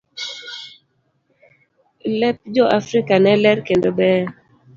Lep jo Afrika ne ler kendo beyo.